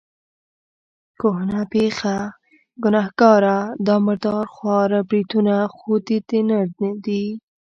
کهنه پېخه، ګنهګاره، دا مردار خواره بریتونه خو دې د نر دي.